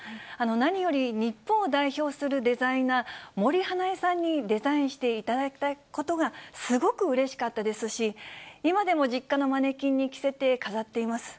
何より日本を代表するデザイナー、森英恵さんにデザインしていただいたことがすごくうれしかったですし、今でも実家のマネキンに着せて飾っています。